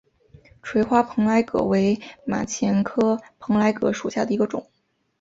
垂花蓬莱葛为马钱科蓬莱葛属下的一个种。